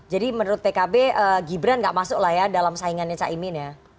jadi menurut pkb gibran gak masuk lah ya dalam saingannya cak imin ya